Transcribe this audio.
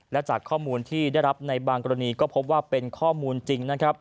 และจากข้อมูลที่ได้รับในบางกรณีก็พบว่าเป็นข้อมูลจริงนะครับ